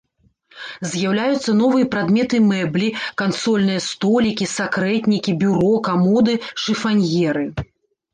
З'яўляюцца новыя прадметы мэблі, кансольныя столікі, сакрэтнікі, бюро, камоды, шыфаньеры.